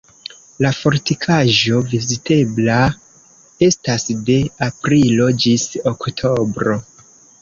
La fortikaĵo vizitebla estas de aprilo ĝis oktobro.